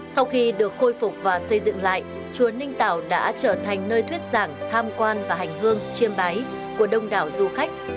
sau khi được khôi phục và xây dựng lại chùa ninh tảo đã trở thành nơi thuyết giảng tham quan và hành hương chiêm bái của đông đảo du khách